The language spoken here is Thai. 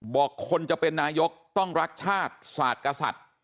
บอกคนจะเป็นนายกต้องรักชาติศาสตร์กษัตริย์